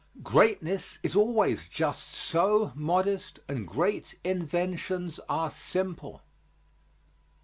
Greatness is always just so modest and great inventions are simple.